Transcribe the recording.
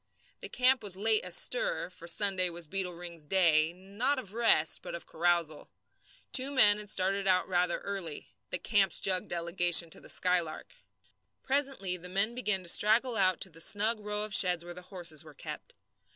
The camp was late astir, for Sunday was Beetle Ring's day not of rest, but of carousal. Two men had started out rather early the camp's jug delegation to the Skylark. Presently the men began to straggle out to the snug row of sheds where the horses were kept.